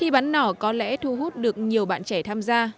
bắn nỏ có lẽ thu hút được nhiều bạn trẻ tham gia